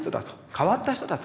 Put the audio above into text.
変わった人だと。